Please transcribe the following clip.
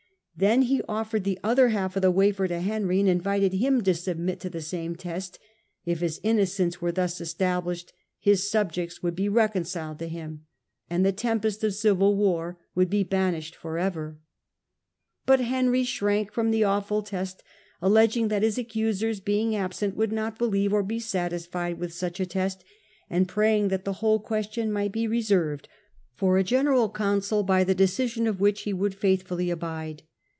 Then he offered the other half of the wafer to Henry, and invited him to submit to the same test ; if his innocence were thus established his subjects would be reconciled to him, and the tempest of civil war would be hushed for ever. But Henry shrank from the awful test, alleging that his accusers being absent would not believe or be satisfied with such a test, and praying that the whole question might be reserved for a general council, by the decision of which he would faithfully abide.